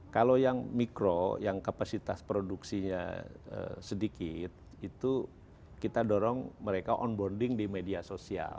kalau yang mikro yang kapasitas produksinya sedikit itu kita dorong mereka onboarding di media sosial